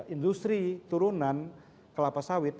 industri turunan kelapa sawit